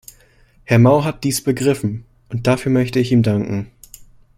Herr Mauhat dies begriffen, und dafür möchte ich ihm danken.